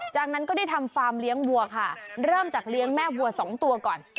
จากนั้นก็ได้ทำฟาร์มเลี้ยงวัวค่ะเริ่มจากเลี้ยงแม่วัวสองตัวก่อน